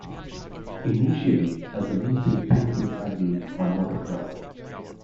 Initially as a mean to improve his handle on motor cross.